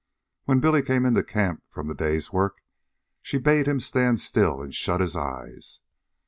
When Billy came into camp from the day's work, she bade him stand still and shut his eyes.